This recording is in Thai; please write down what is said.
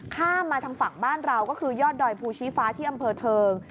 ข้ามมาทางฝั่งบ้านเราก็คือยอดดอยภูชีฟ้าที่อำเภอเทิง